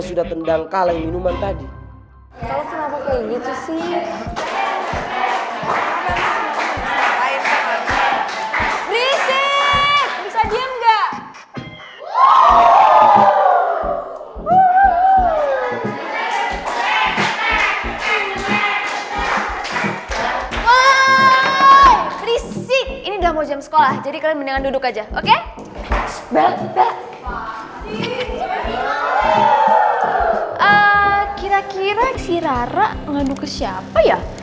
sampai jumpa di video selanjutnya